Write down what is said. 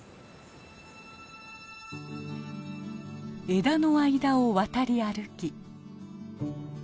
枝の間を渡り歩き。